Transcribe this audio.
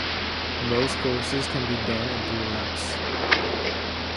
Most courses can be done in three laps.